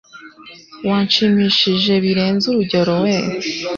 wanshimishije. Birenze urugero we